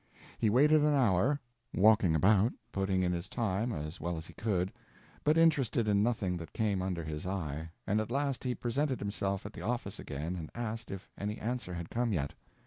He waited an hour, walking about, putting in his time as well as he could, but interested in nothing that came under his eye, and at last he presented himself at the office again and asked if any answer had come yet.